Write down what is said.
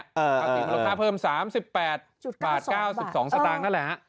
ติดมารถค้าเพิ่ม๓๘๙๒บาทนั่นแหละ